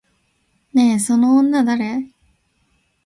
ねえ、その女誰？